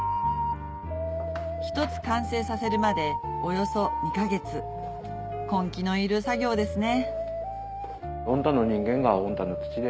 １つ完成させるまでおよそ２か月根気のいる作業ですね